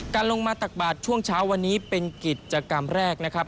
ลงมาตักบาทช่วงเช้าวันนี้เป็นกิจกรรมแรกนะครับ